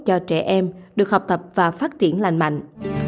cho trẻ em được học tập và phát triển lành mạnh